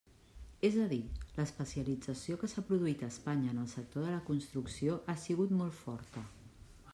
És a dir, l'especialització que s'ha produït a Espanya en el sector de la construcció ha sigut molt forta.